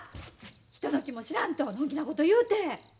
人の気も知らんとのんきなこと言うて！